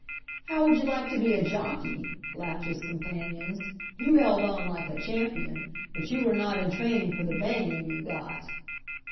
"How would you like to be a jockey!" laughed his companions. "You held on like a champion, but you were not in training for the banging you got."